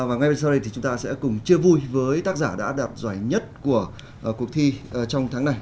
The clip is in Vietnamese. và ngay sau đây thì chúng ta sẽ cùng chia vui với tác giả đã đạt giải nhất của cuộc thi trong tháng này